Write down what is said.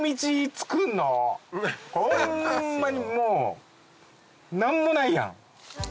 ホンマにもう何もないやん。